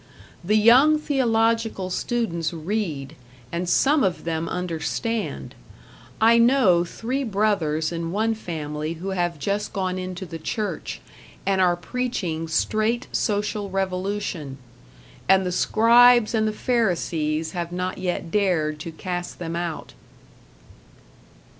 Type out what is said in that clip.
The young theological students read, and some of them understand; I know three brothers in one family who have just gone into the Church, and are preaching straight social revolution and the scribes and the pharisees have not yet dared to cast them out.